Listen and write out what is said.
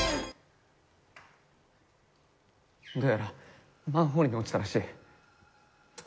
どうやらマンホールに落ちたらしい。